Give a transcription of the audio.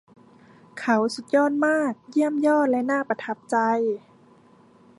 เขาสุดยอดมาก เยี่ยมยอดและน่าประทับใจ